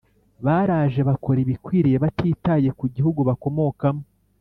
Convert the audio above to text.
Baraje bakora ibikwiriye batitaye ku gihugu bakomokamo